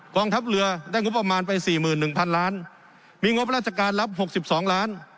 กองทัพเรือได้งบประมาณไปสี่หมื่นหนึ่งพันล้านมีงบราชการรับหกสิบสองล้าน